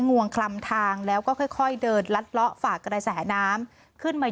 งวงคลำทางแล้วก็ค่อยเดินลัดเลาะฝากกระแสน้ำขึ้นมา